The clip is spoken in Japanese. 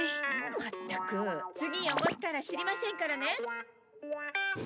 まったく次汚したら知りませんからね。